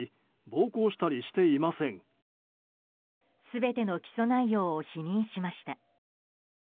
全ての起訴内容を否認しました。